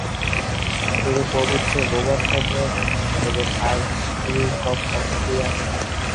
তিনি পবিত্র রোমান সম্রাট এবং আর্চডিউক অফ অস্ট্রিয়া হন।